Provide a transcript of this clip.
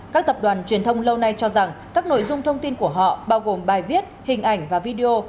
các tập đoàn truyền thông lâu nay cho rằng các nội dung thông tin của họ bao gồm bài viết hình ảnh và video